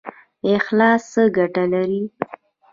اخلاص څه ګټه لري؟